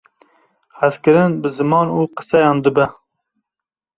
Hezkirin bi ziman û qiseyan dibe.